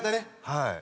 はい。